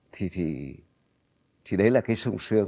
thì đấy là cái sùng sương